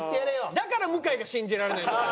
だから向井が信じられないんだよ。